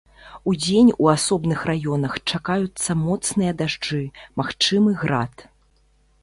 Удзень у асобных раёнах чакаюцца моцныя дажджы, магчымы град.